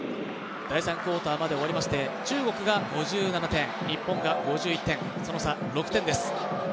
第３クオーターまで終わりまして中国が５７点、日本が５１点、その差、６点です。